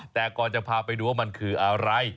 แต่ก่อนจะพาไปดูว่ามันคืออะไร